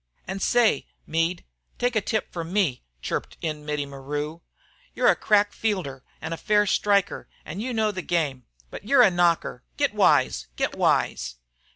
"An' say, Meade, take a tip from me," chirped in Mittie Maru. "You're a crack fielder an' a fair sticker, an' you know the game. But you're a knocker. Get wise! Get wise!"